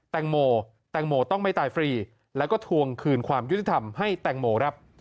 แตงโมแตงโมต้องไม่ตายฟรีแล้วก็ทวงคืนความยุติธรรมให้แตงโมครับ